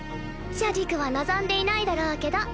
シャディクは望んでいないだろうけど。